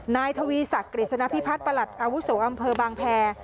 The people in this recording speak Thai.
นายทวีศักดิ์กฤษณพิพัฒน์ประหลัดอาวุโสอำเภอบางแพร